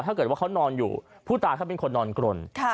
ถ้าเกิดว่าเขานอนอยู่ผู้ตายเขาเป็นคนนอนกรน